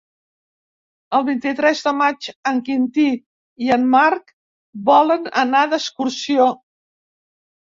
El vint-i-tres de maig en Quintí i en Marc volen anar d'excursió.